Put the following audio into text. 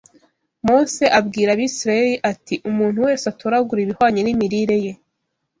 Mose abwira Abisirayeli ati ‘umuntu wese atoragure ibihwanye n’imirire ye